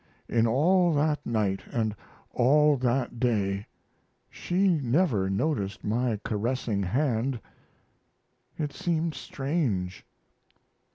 In all that night & all that day she never noticed my caressing hand it seemed strange.